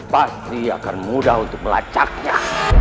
pasti akan mudah untuk melacaknya